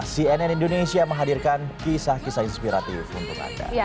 cnn indonesia menghadirkan kisah kisah inspiratif untuk anda